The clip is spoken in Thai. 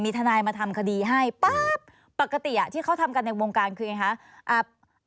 ทนายมาทำคดีให้ป๊าบปกติที่เขาทำกันในวงการคือไงคะ